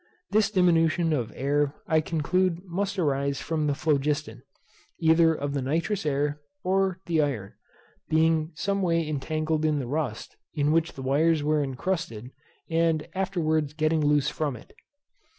This diminution of air I conclude must arise from the phlogiston, either of the nitrous air or the iron, being some way entangled in the rust, in which the wires were encrusted, and afterwards getting loose from it.